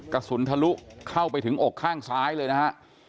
กระสุนทะลุเข้าไปถึงอกข้างซ้ายเลยนะฮะ